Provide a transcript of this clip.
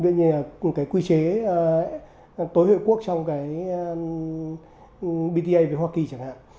như là cái quy chế tối hội quốc trong cái bta với hoa kỳ chẳng hạn